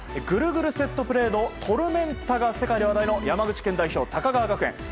グルグルセットプレーのトルメンタが世界で話題の山口県代表、高川学園。